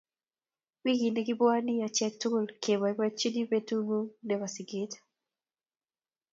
Wigi no kepwone achek tukul kepoipoitchi petung'ung' nepo siget.